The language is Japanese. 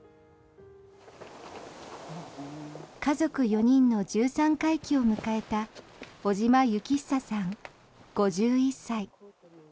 家族４人の１３回忌を迎えた小島幸久さん、５１歳。